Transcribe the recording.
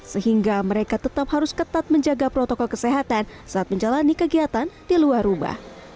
sehingga mereka tetap harus ketat menjaga protokol kesehatan saat menjalani kegiatan di luar rumah